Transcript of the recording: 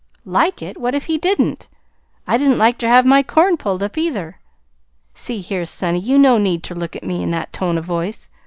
"Like it! What if he didn't? I didn't like ter have my corn pulled up, either. See here, sonny, you no need ter look at me in that tone o' voice.